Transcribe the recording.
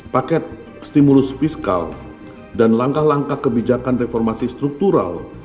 paket stimulus fiskal dan langkah langkah kebijakan reformasi struktural